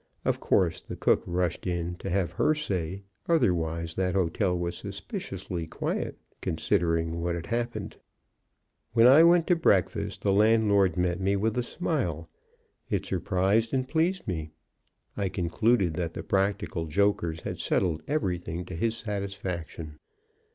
Of course, the cook rushed in to have her say; otherwise, that hotel was suspiciously quiet, considering what had happened. When I went to breakfast the landlord met me with a smile; it surprised and pleased me. I concluded that the practical jokers had settled everything to his satisfaction.